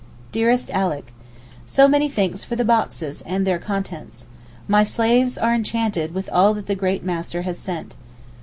DEAREST ALICK, So many thanks for the boxes and their contents. My slaves are enchanted with all that the 'great master' has sent.